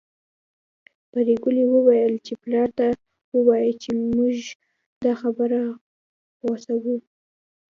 پري ګلې وويل چې پلار ته ووايه چې موږ دا خبره غوڅوو